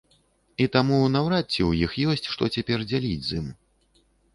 І таму, наўрад ці у іх ёсць, што цяпер дзяліць з ім.